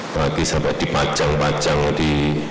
apalagi sampai dipajang pajang di